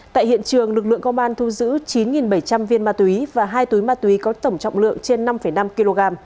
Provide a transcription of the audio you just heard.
tại hiện trường lực lượng công an thu giữ chín bảy trăm linh viên ma túy và hai túi ma túy có tổng trọng lượng trên năm năm kg